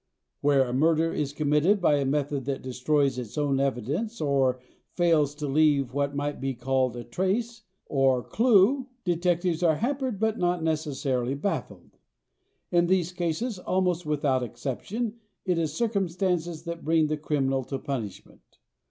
Where a murder is committed by a method that destroys its own evidence or fails to leave what might be called a "trace" or clue detectives are hampered but not necessarily baffled. In these cases, almost without exception, it is circumstances that bring the criminal to punishment.